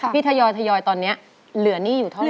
ทยอยตอนนี้เหลือหนี้อยู่เท่าไห